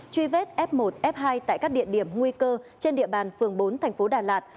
truy vết f một f hai tại các địa điểm nguy cơ trên địa bàn phường bốn thành phố đà lạt